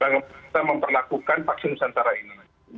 dalam kita memperlakukan vaksin nusantara ini